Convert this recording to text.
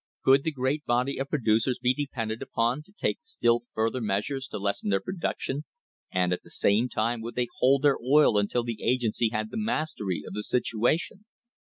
Could the great body of producers be depended upon to take still further measures to lesson their production, and at the same time would they hold their oil until the agency had the mastery of the situation?